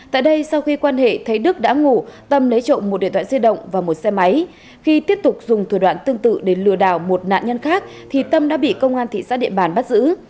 tại đây sau khi quan hệ thấy đức đã ngủ tâm lấy trộm một điện thoại di động và một xe máy khi tiếp tục dùng thủ đoạn tương tự để lừa đảo một nạn nhân khác thì tâm đã bị công an thị xã điện bàn bắt giữ